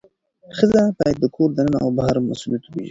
ښځه باید د کور دننه او بهر مسؤلیت وپیژني.